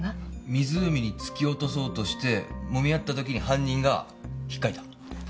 湖に突き落とそうとしてもみ合った時に犯人が引っかいた。